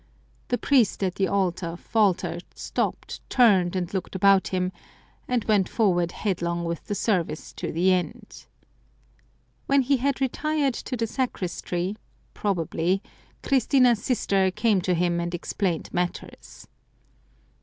The priest at the altar faltered, stopped, turned and looked about him, and went forward headlong with the service to the end. When he had retired to the sacristy, probably, Christina's sister came to him and explained matters.